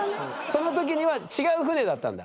その時には違う船だったんだ。